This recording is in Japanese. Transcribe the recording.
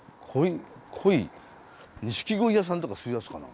ニシキゴイ屋さんとかそういうやつかな。